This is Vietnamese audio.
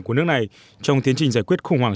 của nước này trong tiến trình giải quyết khủng hoảng